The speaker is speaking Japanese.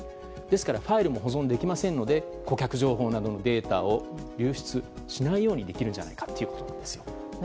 ファイルを保存できませんので顧客情報のデータを流出できないようにできるんじゃないかということです。